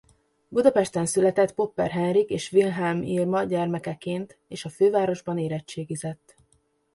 Budapesten született Popper Henrik és Wilhelm Irma gyermekeként és a fővárosban érettségizett.